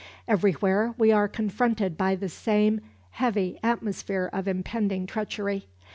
Everywhere we are confronted by the same heavy atmosphere of impending treachery.